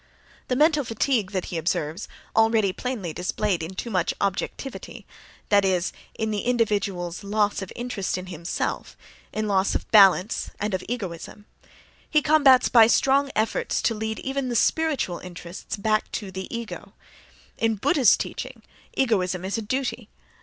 The mental fatigue that he observes, already plainly displayed in too much "objectivity" (that is, in the individual's loss of interest in himself, in loss of balance and of "egoism"), he combats by strong efforts to lead even the spiritual interests back to the ego. In Buddha's teaching egoism is a duty.